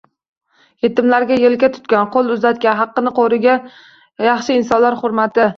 Yetimlarga yelka tutgan, ko'l uzatgan, haqqini qo'rigan yaxshi insonlar hurmati...